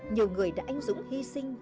nhiều người đã anh dũng hy sinh